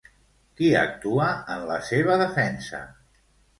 Qui actua en la seva defensa?